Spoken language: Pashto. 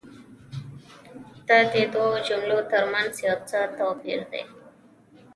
دا دي دوو جملو تر منځ څه توپیر دی؟